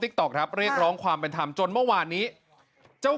ต๊อกครับเรียกร้องความเป็นธรรมจนเมื่อวานนี้เจ้า